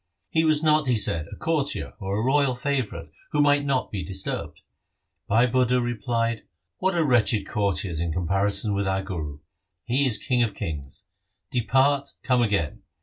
He was not, he said, a courtier or royal favourite who might not be disturbed. Bhai Budha replied, ' What are wretched courtiers in comparison with our Guru ? He is king of kings. Depart, come again.